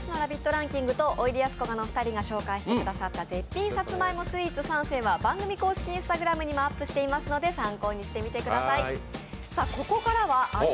ランキングとおいでやすこがの２人が紹介してくださった絶品さつまいもスイーツ３選は番組公式Ｉｎｓｔａｇｒａｍにもアップしていますので、参考にしてみてください。